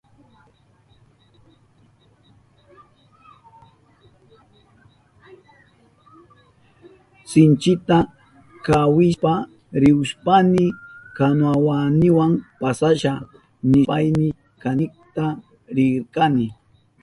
Sinchita kawishpa rihushpayni kanuwayniwa pasasha nishpayni kanikta rirkani.